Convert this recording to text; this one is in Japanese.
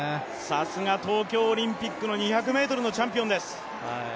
さすが東京オリンピックの２００ｍのチャンピオンです。